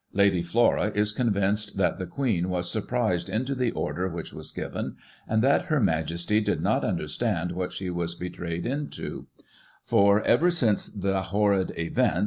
Lady Flora is con vinced that the Queen was surprised into the order which was given, and that Her Majesty did not understand what she was betrayed into ; for, ever since the horrid event.